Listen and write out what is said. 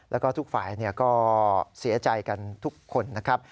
แล้วก็ทุกฝ่ายก็เสียใจกันทุกคนนะครับ